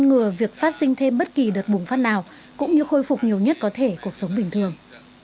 ngừa việc phát sinh thêm bất kỳ đợt bùng phát nào cũng như khôi phục nhiều nhất có thể cuộc sống bình thường